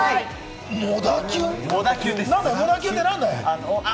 もだキュンって何だい？